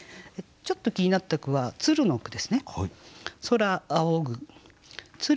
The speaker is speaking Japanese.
ちょっと気になった句は「鶴」の句ですね。